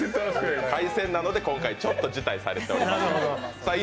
海鮮なので今回ちょっと辞退されております。